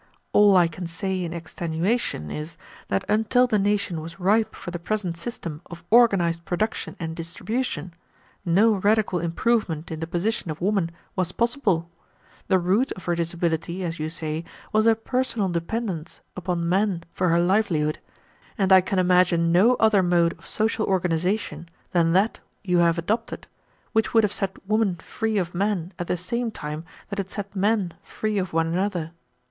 "All I can say in extenuation is that until the nation was ripe for the present system of organized production and distribution, no radical improvement in the position of woman was possible. The root of her disability, as you say, was her personal dependence upon man for her livelihood, and I can imagine no other mode of social organization than that you have adopted, which would have set woman free of man at the same time that it set men free of one another.